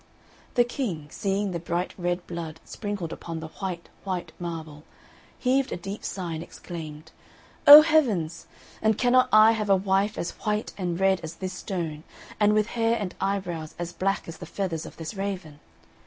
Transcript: The King, seeing the bright red blood sprinkled upon the white, white marble, heaved a deep sigh and exclaimed, "O heavens! and cannot I have a wife as white and red as this stone, and with hair and eyebrows as black as the feathers of this raven?"